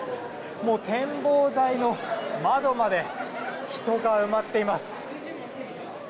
もう展望台の窓まで人が埋まっています。